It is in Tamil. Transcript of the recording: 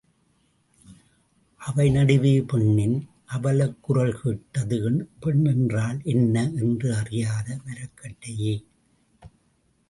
அவை நடுவே பெண்ணின் அவலக்குரல் கேட்டது பெண் என்றால் என்ன என்று அறியாத மரக்கட்டையே!